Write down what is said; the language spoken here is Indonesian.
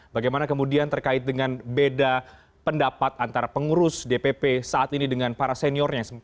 bagaimana kemudian terkait dengan beda pendapat antara pengurus dpp saat ini dengan para seniornya